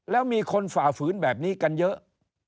แล้วมีคนฝ่าฝืนแบบนี้กันเยอะ